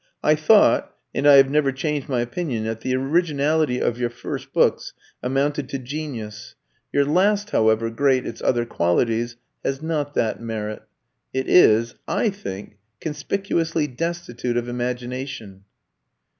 I thought, and I have never changed my opinion, that the originality of your first books amounted to genius. Your last, however great its other qualities, has not that merit. It is, I think, conspicuously destitute of imagination."